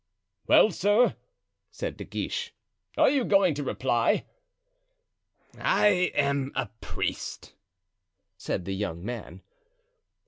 "Well, sir," said De Guiche, "are you going to reply?" "I am a priest," said the young man.